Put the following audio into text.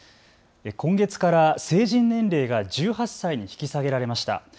今月から成人年齢が１８歳に引き下げられました。